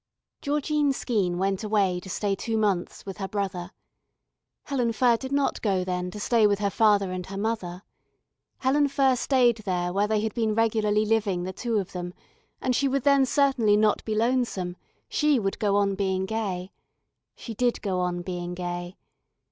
Georgine Skeene went away to stay two months with her brother. Helen Furr did not go then to stay with her father and her mother. Helen Furr stayed there where they had been regularly living the two of them and she would then certainly not be lonesome, she would go on being gay. She did go on being gay.